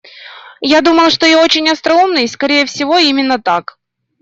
Я думал, что я очень остроумный, скорее всего, именно так.